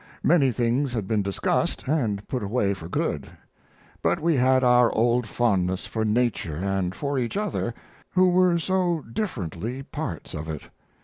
Many things had been discussed and put away for good, but we had our old fondness for nature and for each other, who were so differently parts of it.